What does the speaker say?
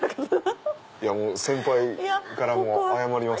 先輩からもう謝ります。